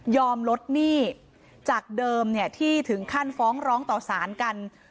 ลดหนี้จากเดิมที่ถึงขั้นฟ้องร้องต่อสารกัน